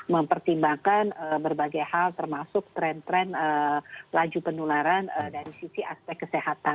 mempertimbangkan berbagai hal termasuk tren tren laju penularan dari sisi aspek kesehatan